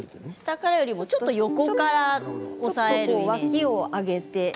下からよりもちょっと横から押さえるように脇を上げて。